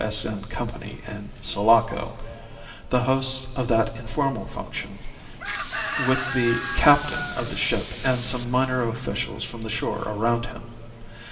S.N. Company in Sulaco, the hosts of that informal function, with the captain of the ship and some minor officials from the shore around him.